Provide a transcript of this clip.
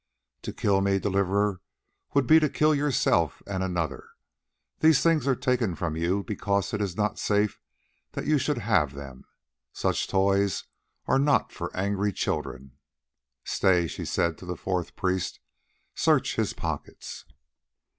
"To kill me, Deliverer, would be to kill yourself and another. These things are taken from you because it is not safe that you should have them; such toys are not for angry children. Stay," she said to a fourth priest, "search his pockets."